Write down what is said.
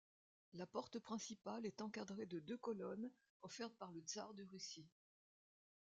La porte principale est encadrée de deux colonnes offertes par le tsar de Russie.